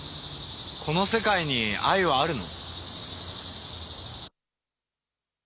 この世界に愛はあるの？